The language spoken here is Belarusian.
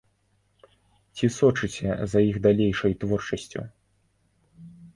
Ці сочыце за іх далейшай творчасцю?